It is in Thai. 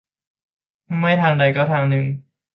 ไม่ทางใดก็ทางหนึ่ง